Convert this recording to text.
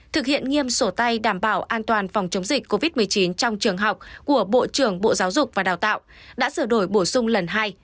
thực hiện nghiêm sổ tay đảm bảo an toàn phòng chống dịch covid một mươi chín trong trường học của bộ trưởng bộ giáo dục và đào tạo đã sửa đổi bổ sung lần hai